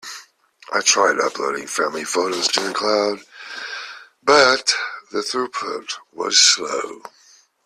I tried uploading family photos to the cloud, but the throughput was slow.